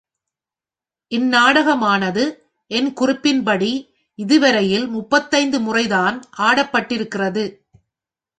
இந்நாடகமானது என் குறிப்பின்படி இதுவரையில் முப்பத்தைந்து முறைதான் ஆடப்பட்டிருக்கிறது.